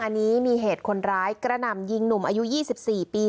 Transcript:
อันนี้มีเหตุคนร้ายกระหน่ำยิงหนุ่มอายุ๒๔ปี